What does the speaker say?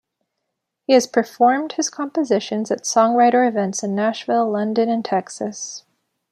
He has performed his compositions at songwriter events in Nashville, London, and Texas.